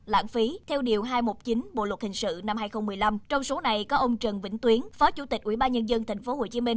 lãng phí theo điều hai trăm một mươi chín bộ luật hình sự năm hai nghìn một mươi năm trong số này có ông trần vĩnh tuyến phó chủ tịch ubnd tp hcm